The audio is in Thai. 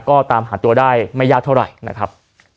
ก็ตามหาตัวได้ไม่ยากเท่าไหร่นะครับ